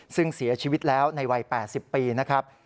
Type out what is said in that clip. ซึ่งเสียชีวิตแล้วในวัย๘๐ปีนะครับ